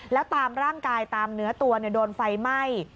แล้วตามร่างกายตามเนื้อตัวโดนไฟไหม้